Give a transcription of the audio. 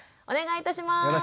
お願いいたします。